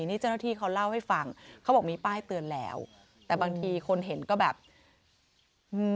นี่เจ้าหน้าที่เขาเล่าให้ฟังเขาบอกมีป้ายเตือนแล้วแต่บางทีคนเห็นก็แบบอืม